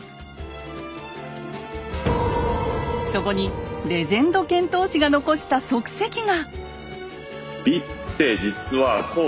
そこにレジェンド遣唐使が残した足跡が！